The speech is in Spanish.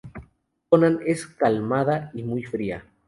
Konan es calmada y muy fría.